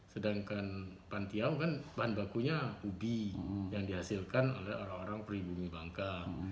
sedangkan pantiau kan bahan bakunya ubi yang dihasilkan oleh orang orang pribumi bangka